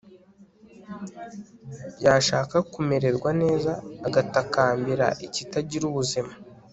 yashaka kumererwa neza, agatakambira ikitagira ubuzima